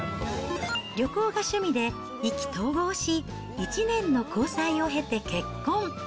旅行が趣味で、意気投合し、１年の交際を経て結婚。